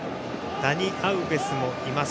ダニ・アウベスもいます。